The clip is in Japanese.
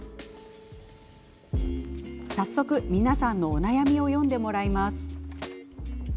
早速、皆さんのお悩みを読んでもらいます。